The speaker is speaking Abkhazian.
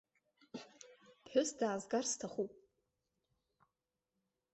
Ԥҳәыс даазгар сҭахуп.